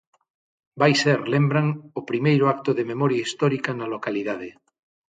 Vai ser, lembran, o primeiro acto de memoria histórica na localidade.